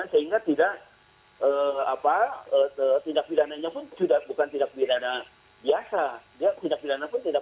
sehingga tidak apa tindak pidananya pun bukan tindak pidana biasa